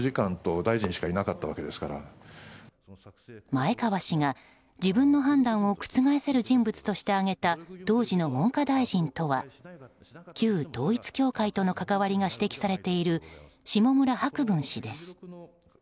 前川氏が自分の判断を覆せる人物として挙げた当時の文科大臣とは旧統一教会との関わりが指摘されている下村博文氏です。